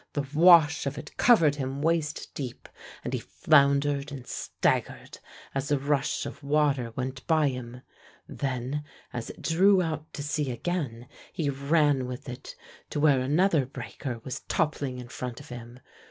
The wash of it covered him waist deep and he floundered and staggered as the rush of water went by him. Then as it drew out to sea again he ran with it, to where another breaker was toppling in front of him.